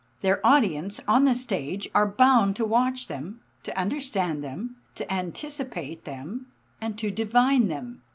Their audience on the stage are bound to watch them, to understand them, to anticipate them, and to divine them.